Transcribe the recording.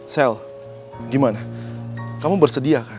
sel gimana kamu bersedia kan